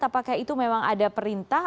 apakah itu memang ada perintah